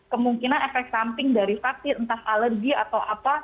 kemungkinan efek samping dari vaksin entah alergi atau apa